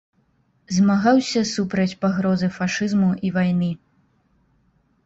Змагаўся супраць пагрозы фашызму і вайны.